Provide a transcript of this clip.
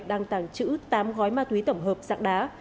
đang tàng trữ tám gói ma túy tổng hợp dạng đá